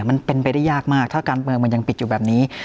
มันเป็นไปได้ยากมากถ้าการเมืองมันยังปิดอยู่แบบนี้